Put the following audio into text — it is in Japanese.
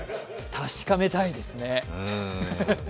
確かめたいですね。